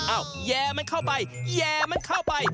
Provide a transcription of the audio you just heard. แย่มันเข้าไปแย่มันเข้าไป